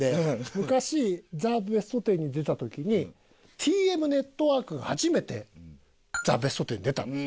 昔『ザ・ベストテン』に出た時にＴＭＮＥＴＷＯＲＫが初めて『ザ・ベストテン』に出たんですよ。